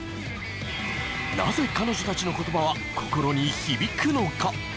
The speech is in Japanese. なぜ彼女たちの言葉は心に響くのか？